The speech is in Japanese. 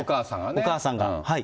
お母さんがね。